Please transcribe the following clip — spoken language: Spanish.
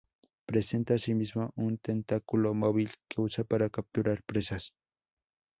Presenta asimismo un tentáculo móvil que usa para capturar presas.